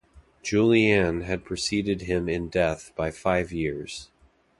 Juliane had preceded him in death by five years.